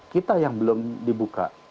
kita yang belum dibuka